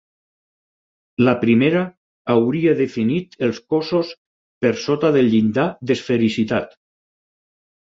La primera hauria definit als cossos per sota del llindar d'esfericitat.